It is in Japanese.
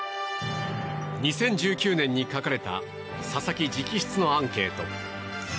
２０１９年に書かれた佐々木直筆のアンケート。